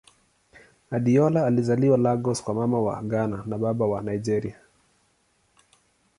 Adeola alizaliwa Lagos kwa Mama wa Ghana na Baba wa Nigeria.